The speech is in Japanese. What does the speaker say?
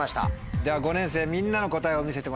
では５年生みんなの答えを見せてもらいましょう。